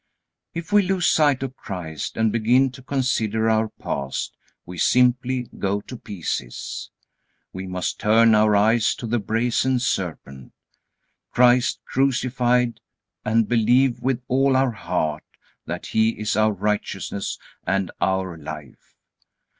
If we lose sight of Christ and begin to consider our past, we simply go to pieces. We must turn our eyes to the brazen serpent, Christ crucified, and believe with all our heart that He is our righteousness and our life.